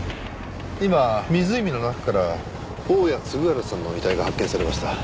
今湖の中から大屋嗣治さんの遺体が発見されました。